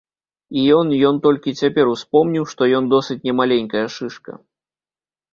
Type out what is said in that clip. І ён, ён толькі цяпер успомніў, што ён досыць немаленькая шышка.